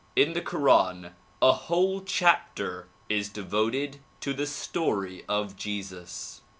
In the koran a whole chapter is devoted to the story of Jesus.